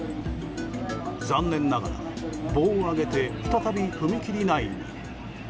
残念ながら棒を上げて再び踏切内に。